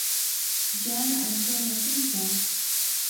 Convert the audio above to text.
Joana Antónia Quintas.